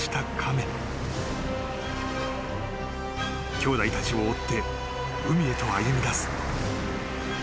［きょうだいたちを追って海へと歩みだす］